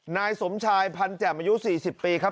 นายสมชายพันแจ๋มอายุ๔๐ปี